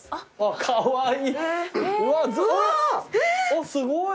あっすごい。